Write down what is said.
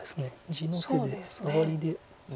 地の手でサガリで。